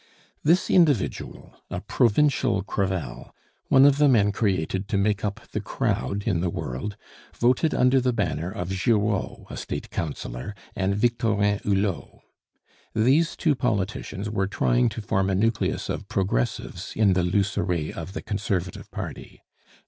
This individual, a provincial Crevel, one of the men created to make up the crowd in the world, voted under the banner of Giraud, a State Councillor, and Victorin Hulot. These two politicians were trying to form a nucleus of progressives in the loose array of the Conservative Party.